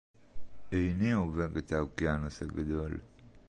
איני עובר את האוקיינוס הגדול.